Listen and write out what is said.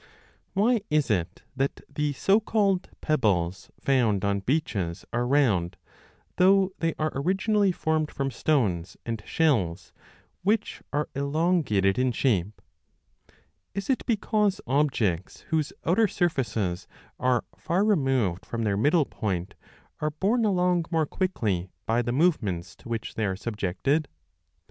WHY is it that the so called pebbles found on beaches 15 30 are round, though they are originally formed from stones and shells which are elongated in shape ? Is it because objects whose outer surfaces are far removed from their middle point are borne along more quickly by the move ments to which they are subjected